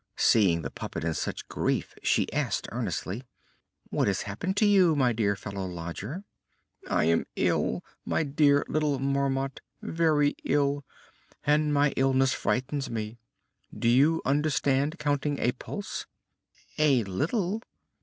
Seeing the puppet in such grief she asked earnestly: "What has happened to you, my dear fellow lodger?" "I am ill, my dear little Marmot, very ill, and my illness frightens me. Do you understand counting a pulse?" "A little."